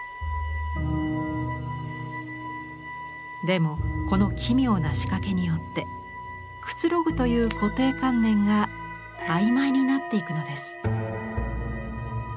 でもこの奇妙な仕掛けによってくつろぐという固定観念が曖昧になっていくのです。